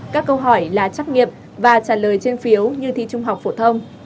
các câu hỏi là trắc nghiệp và trả lời trên phiếu như thi trung học phổ thông